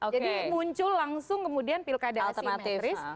jadi muncul langsung kemudian pilkada asimetris